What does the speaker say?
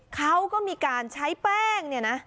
เขาก็มีการใช้แป้งเนี่ยนะ